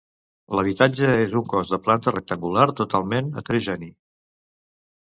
L'habitatge és un cos de planta rectangular, totalment heterogeni.